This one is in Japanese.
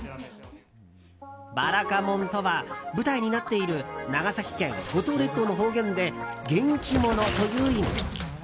「ばらかもん」とは舞台になっている長崎県五島列島の方言で元気者という意味。